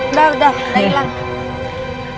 dadah udah hilang